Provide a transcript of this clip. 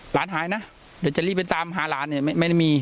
หายนะเดี๋ยวจะรีบไปตามหาหลานเนี่ยไม่ได้มี